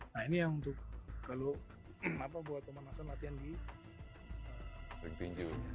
nah ini yang untuk kalau buat pemanasan latihan di ring tinju